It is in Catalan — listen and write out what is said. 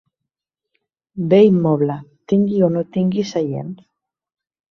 Bé immoble, tingui o no tingui seients.